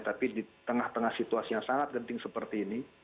tapi di tengah tengah situasi yang sangat genting seperti ini